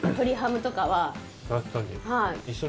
確かに。